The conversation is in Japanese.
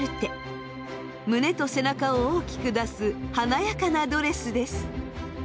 胸と背中を大きく出す華やかなドレスです。